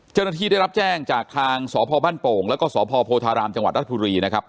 เจ้าหน้าที่ได้รับแจ้งจากทางสพบ้านโป่งแล้วก็สพโพธารามจังหวัดรัฐบุรีนะครับ